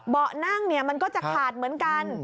เบาะนั่งมันก็จะขาดเหมือนกัน